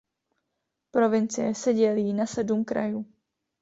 Provincie se dělí na sedm krajů.